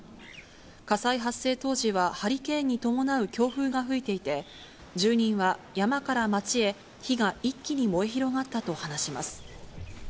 火災発生当時はハリケーンに伴う強風が吹いていて、住人は山から街へ、火が一気に燃え広がったと話します。